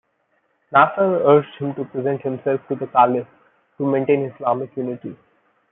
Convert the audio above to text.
Nasr urged him to present himself to the caliph, to maintain Islamic unity.